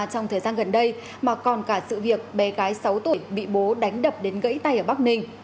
trong thời gian gần đây mà còn cả sự việc bé gái sáu tuổi bị bố đánh đập đến gãy tay ở bắc ninh